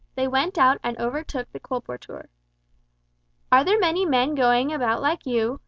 They went out and overtook the colporteur. "Are there many men going about like you?"